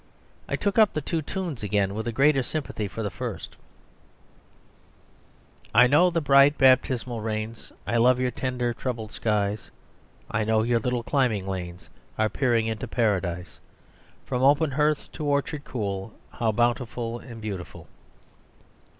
I took up the two tunes again with a greater sympathy for the first "I know the bright baptismal rains, I love your tender troubled skies, I know your little climbing lanes, Are peering into Paradise, From open hearth to orchard cool, How bountiful and beautiful.